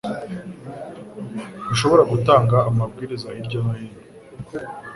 Ntushobora gutanga amabwiriza hirya no hino .